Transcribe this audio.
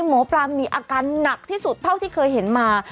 หมอปลามีอาการหนักที่สุดเท่าที่เคยเห็นมา